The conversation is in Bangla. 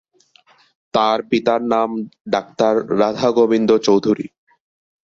তাঁর পিতার নাম ডাক্তার রাধাগোবিন্দ চৌধুরী।